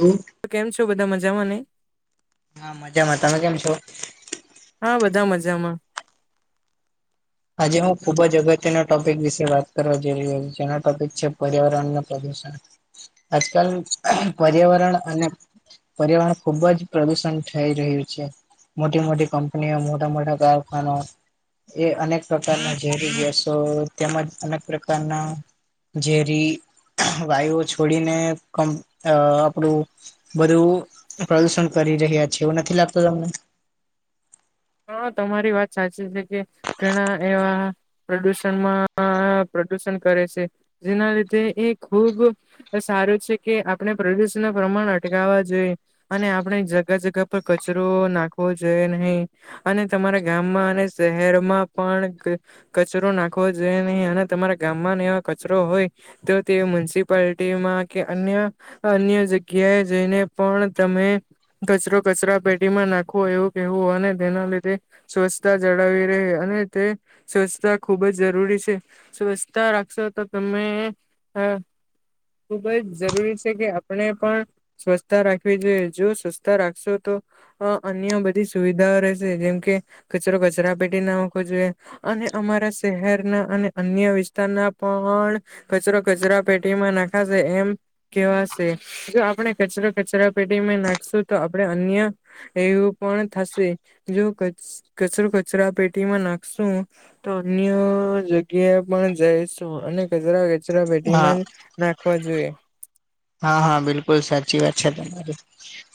હમ કેમ છો બધા, મજામાં ને? હા મજામાં, તમે કેમ છો? હા, બધા મજામાં. આજે હું ખુબ જ અગત્યના ટોપિક વિશે વાત કરવા જઈ રહ્યો છું. જેના ટોપિક છે પર્યાવરણનું પ્રદુષણ. આજકાલ પર્યાવરણ અને પર્યાવરણ ખુબ જ પ્રદુષણ થઈ રહ્યું છે. મોટી મોટી કંપનીઓ, મોટા મોટા કારખાનો એ અનેક પ્રકારના ઝેરી ગેસો તેમજ અનેક પ્રકારના ઝેરી વાયુઓ છોડીને કં આપણું બધું પ્રદુષણ કરી રહ્યા છે. એવું નથી લાગતું તમને? હા, તમારી વાત સાચી છે કે ઘણા એવા પ્રદુષણમાં પ્રદુષણ કરે છે. જેના લીધે એ ખુબ સારું છે કે આપણે પ્રદુષણનુ પ્રમાણ અટકાવવા જોઈએ. અને આપણે જગા જગા પર કચરો નાખવો જોઈએ નહી. અને તમારા ગામમાં અને શહેરમાં પણ ક કચરો નાખવો જોઈએ નહી અને તમારા ગામમાં ને એવા કચરો હોય તો તે મ્યુનિસિપાલિટીમાં કે અન્ય અન્ય જગ્યાએ જઈને પણ તમે કચરો કચરા પેટીમાં નાખવો એવું કેવું અને તેના લીધે સ્વચ્છતા જાળવી રહે અને તે સ્વચ્છતા ખૂબ જ જરૂરી છે. સ્વચ્છતા રાખશો તો તમે, અહ ખુબ જ જરૂરી છે કે આપણે પણ સ્વચસ્છતા રાખવી જોઈએ. જો સ્વસ્તા રાખશો તો અહ અન્ય બધી સુવિધાઓ રહે શે જેમ કે કચરો કચરા પેટી નાખવો જોઈએ. અને અમારા શહેરના અને અન્ય વિસ્તારના પણ કચરો કચરા પેટીમાં નખાશે એમ કેવાશે, જો આપણે કચરો કચરા પેટીમાં નાખશું તો આપણે અન્ય એવું પણ થશે જો કચરો કચરા પેટીમાં નાખશું. તો અન્ય જગ્યા પણ જઈશો અને કજરા. કચરા હા પેટીમાં જ નાખવા જોઈએ. હા હા બિલકુલ સાચી વાત છે તમારી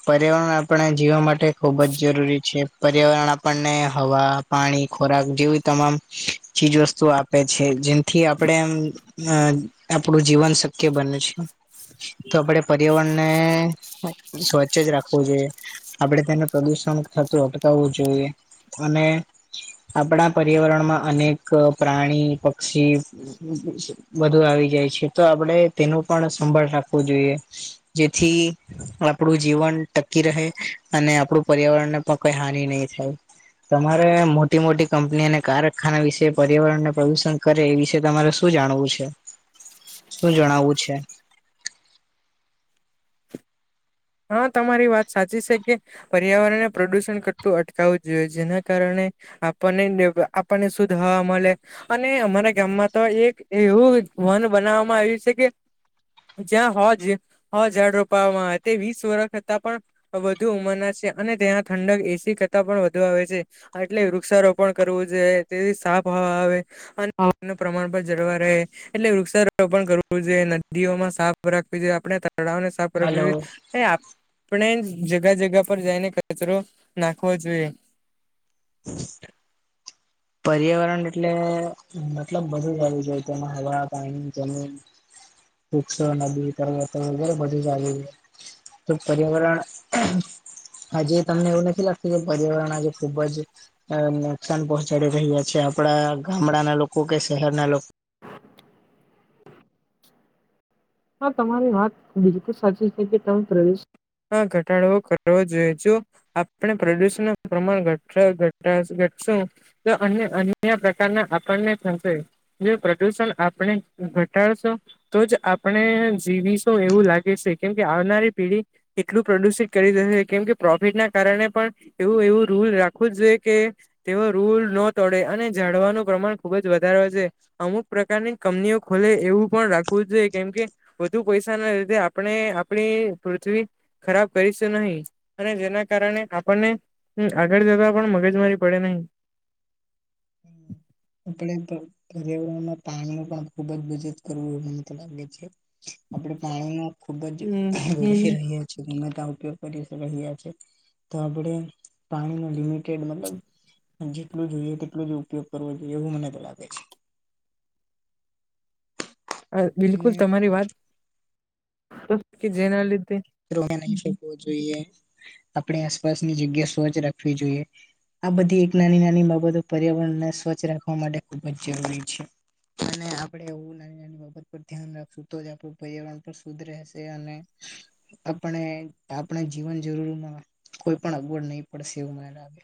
પર્યાવરણ આપણે જીવા મા તે ખુબ જ જરૂરી છે. પર્યાવરણ આપણને હવા પાણી ખોરાક જેવી તમામ ચીજ વસ્તુ આપે છે જે થી આપણે એમ આપણું જીવન શક્ય બને છે. તો આપડે પર્યાવરણ ને સ્વચ્છ જ રાખો. વો જોઈએ આપણે તેને પ્રદુષણ થતું અટકાવવું જોઈએ અને આપણા પર્યાવરણમાં અનેક પ્રાણી, પક્ષી બધું આવી જાય છે તો આપડે તેનું પણ સંભાળ રાખવું જોઈએ. જેથી. આપણું જીવન ટકી રહે અને આપણું પર્યાવરણને પણ કઈ હાનિ નહી થાય. તમારે મોટી મોટી કંપની અને કારખાના વિશે પર્યાવરણને પ્રદૂષણ કરે એ વિશે તમારે? શું જાણવું છે? [inaudible] શું જણાવવું છે? હા તમારી વાત સાચી છે કે, પર્યાવરણને પ્રદુષણ કરટું અટકાવું જોઈએ જેના કારણે, આપણ આપણને શુંધ હવા મલે, અને અમારા ગામમાં તો એક એવું વન બનાવવામાં આવ્યું છે કે, જ્યાં હોજ હો જાડ રોપાવામાં તે વીસ વર્ષ હતા પણ વધુ ઉમરનાર છે અને ત્યાં ઠંડક એસી કરતાં પણ વધુ આવે છે. એટલે વૃક્ષારોપણ કરવું જોઈએ તેથી સાફ હવા આવે. [inaudible] પ્રમાણ પણ જળવા રહે એટલે વૃક્ષારોપણ કરવું જોઈએ, નદીઓમાં સાફ રાખવી જોઈએ, આપણે તળાવને સાફ હલો રાખવી. એ આપણે જગા-જગા પર જઈને કચરો નાખવો જોઈએ. [inaudible] પર્યાવરણ એટલે મતલબ બધું [unintelligible] જોઈ તેમાં હવા, પાણી, જમીન. વૃક્ષો, નદી, પર્વતો વગેરે બધું જાગે. તો પર્યાવરણ હજી તમને એવું નથી લાગતું કે પર્યાવરણ આજે ખુબ જ અ નુકસાન પહોં ચડી રહ્યા છે આપડા ગામડાના લોકો કે શહેરના લો હા તમારી વાત બિલકુલ સાચી છે કે તમે પ્રવેશ. હા ઘટાડવો કરવો જોઈએ જો, આપણે પ્રદુષણ ના પ્રમાણ [unintelligible] તો અ અન્ય પ્રકારના આપણને થશે. જો પ્રદુષણ આપણે ઘટાડશો તો જ આ આપણે જીવીશું એવું લાગે સે કેમ કે આવનારી પેઢી એટલું પ્રદુષિત કરી દેહે કેમ કે પ્રોફિટના કારણે પણ, એવું એવું રૂલ રાખવું જોઈએ કે, તેઓ રૂલ ન તોડે અને જાડવાનું પ્રમાણ ખુબ જ વધારવા જોઈ અમુક પ્રકારની કંમનીઓ ખોલે એવું પણ રાખવું જોઈએ. કેમ કે વધુ પૈસાના લીધે આપણે આપણી પૃથ્વી. ખરાબ કરીશું નહી અને જેના કારણે આપણને. હ, આગળ જતા પણ મગજમારી પડે નહી. [inaudible] આપણે પ પર્યાવરણમાં પાણીનો પણ ખુબ જ બચત કરવું [unintelligible] છે. આપણે પાણીનો ખુબ જ હમ [unintelligible] ગમે ત્યાં ઉપયોગ કરી ર રહ્યા છે. તો આપણે પાણીનો લિમિટેડ મતલબ જેટલું જોઈએ તેટલુંજ ઉપયોગ કરવો એવું મનેતો લાગે છે. અ, અને બિલકુલ તમારી વાત, અ કે જેના લીધે [unintelligible] જોઈએ. આપણી આસપાસની જગ્યા સ્વચ્છ રાખવી જોઈએ. આ બધી એક નાની-નાની બાબતો પર્યાવરણને સ્વચ્છ રાખવા માટે ખૂબ જ જરૂરી છે. અને આપડે એવું નાની-નાની બાબત પર ધ્યાન રાખશું તો જ આપડું પર્યાવરણ પર ખુદ રહેશે અને આપણે આપણે જીવન જરૂરીમાં કોઈ પણ અગવડ નહીં પડશે એવું મને લાગે.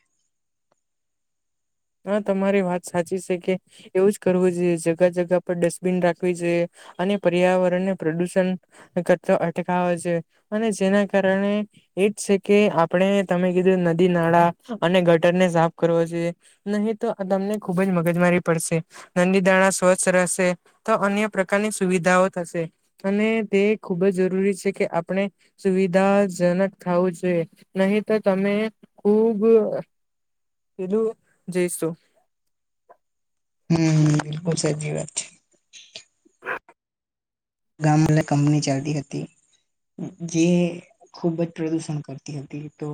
હા, તમારી વાત સાચી છે કે એવું જ કરવું જોઈએ જગા-જગા પર ડસબિન રાખવી જોઈએ. અને પર્યાવરણને પ્રદૂષણ કરતા અટકાવા જોઈએ અને જેના કારણે એજ છે કે આપણે તમે કીધુ એ નદી, નાળા અને ગટરને સાફ કરવા જોઈએ. નહીં તો આ તમને ખુબ જ મગજમારી પડશે. નંદી દાણા સ્વચ્છ રહેશે, તો અન્ય પ્રકારની સુવિધાઓ થશે. અને તે ખૂબ જ જરૂરી છે કે આપણે સુવિધાજનક થાવું જોઈએ, નહી તો તમે ખૂબ દુ જઇશું. હમ હ, બિલકુલ સાચી વાત છે. ગામલે કંપની ચાલતી હતી. જે ખૂબ જ પ્રદૂષણ કરતી હતી તો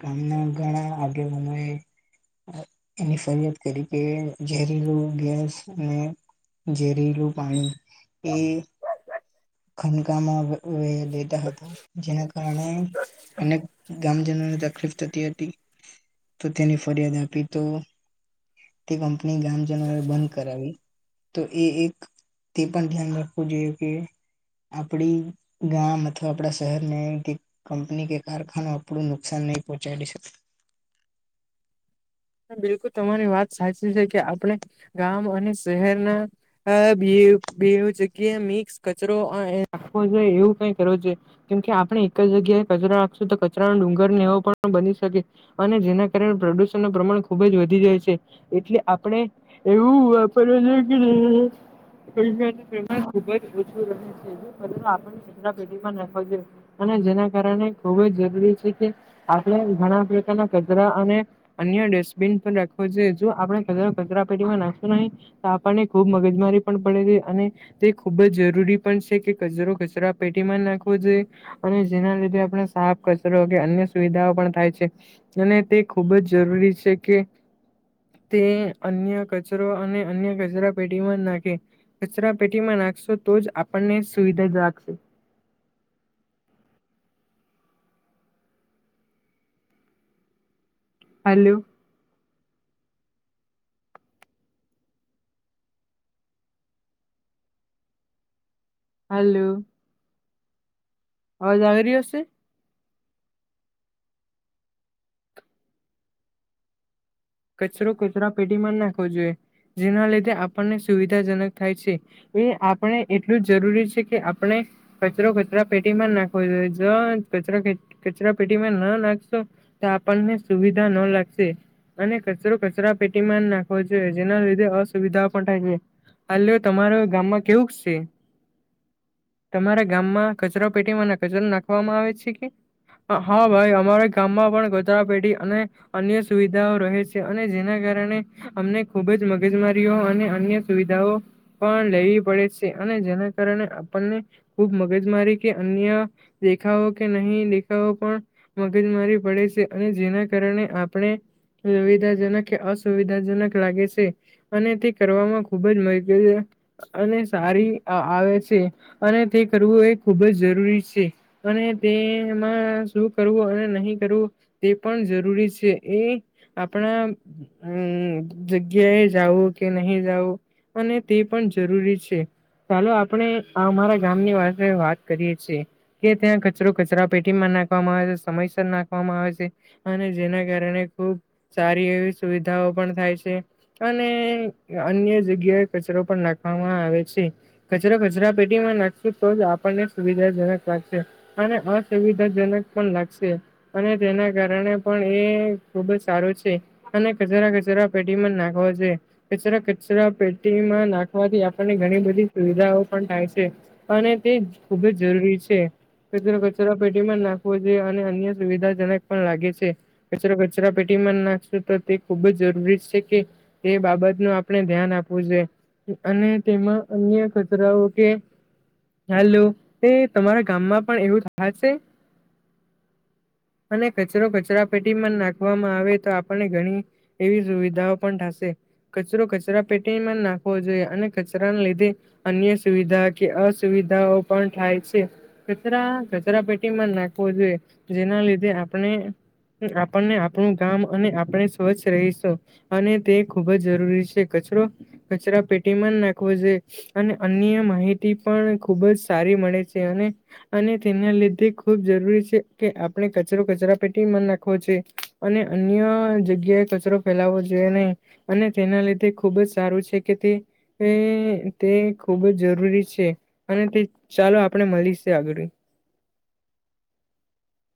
ગામના ઘણા આગેવાનોએ એની ફરિયાદ કરી કે ઝેરીલુ ગેસ અને ઝેરીલું પાણી એ ખનકામાં વ વે વેતા હતા, જેના કારણે અનેક ગામજનોને તકલીફ થતી હતી, તો તેની ફરિયાદ આપી તો તે કંપની ગામજનોએ બંધ કરાવી તો એ એક તે પણ ધ્યાન રાખવું જોઈએ કે આપડી ગામ અથવા આપણા શહેરને કે કંપની કે કારખાનું આપડુ નુકસાન નહી પહોંચાડી શ બિલકુલ, તમારી વાત સાચી છે કે આપણે ગામ અને શહેરના અ બેવ બેવ જગ્યાએ મિક્સ કચરો અ એ રાખવો જોઈએ. એવું કઈ કરવું જોઈએ. કેમ કે, આપણે એક જ જગ્યાએ કચરા નાખશું તો કચરાનો ડુંગરને એવો પણ બની શકે. અને જેના કારણે પ્રદૂષણ પ્રમાણ ખુબ જ વધી જાય છે એટલે આપણે એવું વાપરવા જોઈકે કે [unintelligible] [unintelligible] ખુબ જ ઓછું રહે છે [unintelligible] અને જેના કારણે ખુબ જ જરૂરી છે કે આપણે ઘણા પ્રકારના કચરા અને અન્ય ડસ્ટબિન પણ રાખવો જોઇએ. જો આપણેે કચરો કચરા પેટીમાં નાખશું નહી તો આપણને ખુબ મગજમારી પણ પડે છે અને તે ખૂબ જ જરૂરી પણ છે કે કચરો કચરાપેટીમાં નાખવો જોઈએ અને જેના લીધે આપણે સાફ કચરો કે અન્ય સુવિધાઓ પણ થાય છે અને તે ખૂબ જ જરૂરી છે કે તે અન્ય કચરો અને અન્ય કચરા પેટીમાં જ નાખે. કચરા પેટીમાં નાખશો તો જ આપણને સુવિધા જાગશે. હલો. હલો. અવાજ આવી રહીયો છે? કચરો કચરા પેટીમાં નાખવો જોઈએ, જેના લીધે આપણને સુવિધાજનક થાય છે. એ આપણે એટલું જ જરૂરી છે કે, આપણે કચરો કચરા પેટીમાં નાખવો જોઈએ, જો કચરો કચરા પેટીમાં ન નાખશો. તો આપણને સુવિધા ન લાગશે. અને કચરો કચરા પેટીમાં નાખવો જોઈએ, જેના લીધે અસુવિધાઓ પણ થાય. હલો, તમારો ગામમાં કેવુક શે? તમારા ગામમાં કચરો પેટીમાં ના કચરો નાખવામાં આવે છે કે? હા ભાઈ, અમારા ગામમાં પણ કચરાપેટી અને અન્ય સુવિધા રહે છે, અને જેના કારણે અમને ખુબ જ મગજમારીઓ અને અન્ય સુવિધાઓ પણ લેવી પડે છે, અને જેના કારણે આપણેને ખૂબ મગજ મારી કે, અન્ય દેખાઓ કે નહીં દેખાઓ, પણ મગજમારી પડે છે, અને જેના કારણે આપણે સુવિધાજનક કે, અસુવિધાજનક લાગે છે. અને તે કરવામાં ખુબ જ વૈદ્યવ્ય અને સારી આવે છે, અને તે કરવું એ ખૂબ જ જરૂરી છે. અને તેમાં શું કરવું અને નહી કરવું? તે પણ જરૂરી છે, એ આપણા હમ, જગ્યા જાઉ કે, નહી જાઉ. અને તે પણ જરૂરી છે. ચાલો, આપણે અમારા ગામની વિશે વાત કરીએ છીએ. કે ત્યાં કચરો કચરા પેટીમાં નાખવામાં આવે છે, સમયસર નાખવામાં આવે છે. અને જેના કારણે ખુબ સારી એવી સુવિધાઓ પણ થાય છે. અને અન્ય જગ્યાએ કચરો પણ નાખવામાં આવે છે. કચરો કચરા પેટીમાં નાખશું તો જ આપણને સુવિધાજનક લાગશે. અને અસુવિધાજનક પણ લાગશે, અને તેના કારણે પણ એ ખુબ જ સારું છે, અને કચરા કચરાપેટી મા જ નાખવા જોઈએ. કચરા કચરા પેટીમાં નાખવાથી, આપણને ઘણી બધી સુવિધાઓ પણ થાય છે. અને તે ખુબ જ જરૂરી છે. કચરો કચરો પેટીમાં નાખવો જોઈએ, અને અન્ય સુવિધાજનક પણ લાગે છે, કચરો કચરા પેટીમાં નાખશો તો, તે ખુબ જ જરૂરી છે કે, તે બાબત ન આપણે ધ્યાન આપવું જોઈ. અને તેમાં અન્ય કચરાઓ કે હલો, એ તમારા ગામમાં પણ એવું જ થાશે. અને કચરો કચરા પેટીમાં નાખ વામાં આવે તો, આપને ઘણી એવી સુવિધાઓ પણ થશે. કચરો કચરા પેટીમાં નાખવો જોઈએ, અને કચરાને લીધે અન્ય સુવિધા કે અસુવિધાઓ પણ થાય છે. કચરા કચરા પેટીમાં જ નાખવો જોઈએ, જેના લીધે આપણે આપણને આ આપણું કામ અને આપણે સ્વચ્છ રહીશું, અને તે ખૂબ જ જરૂરી છે, કચરો કચરા પેટીમાં જ નાખવો જોયે. અને અન્ય માહિતી પણ ખુબ જ સારી મળે છે, અને અને તેના લીધે ખુબ જરૂરી છે કે આપણે કચરો કચરા પેટી મા નાખવો જોઈએ. અને અન્ય જગ્યાએ કચરો ફેલાવવો જોઈએ નહી અને તેના લીધે ખુબ જ સારું છે કે તે, એ તે ખુબ જ જરૂરી છે અને તે ચાલો આપણે મલિ છે આગળી.